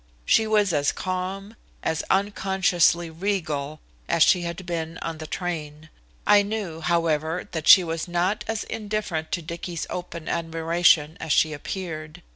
She was as calm, as unconsciously regal, as she had been on the train. I knew, however, that she was not as indifferent to Dicky's open admiration as she appeared.